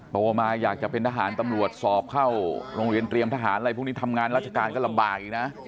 โตมาอยากจะเป็นทหารตำรวจสอบเข้าโรงเรียนเตรียมทหารอะไรพวกนี้ทำงานราชการก็ลำบากอีกนะ